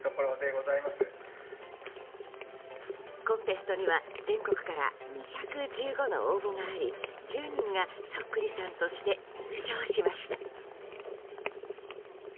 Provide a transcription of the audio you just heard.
コンテストには全国から２１５の応募があり１０人がそっくりさんとして入賞しました。